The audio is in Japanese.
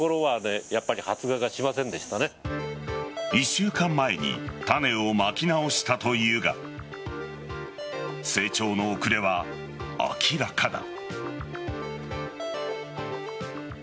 １週間前に種をまき直したというが成長の遅れは明らかだ。